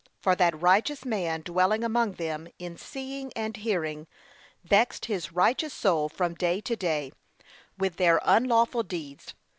'For that righteous man dwelling among them, in seeing and hearing, vexed his righteous soul from day to day, with their unlawful deeds.